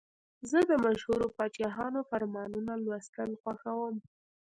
زه د مشهورو پاچاهانو فرمانونه لوستل خوښوم.